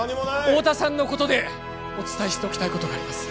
太田さんのことでお伝えしておきたいことがあります